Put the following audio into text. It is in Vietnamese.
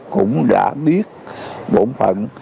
cũng đã biết bổn phận